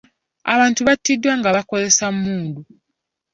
Abantu battiddwa nga bakozesa mmundu.